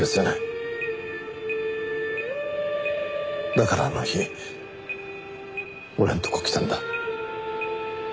だからあの日俺のとこ来たんだ。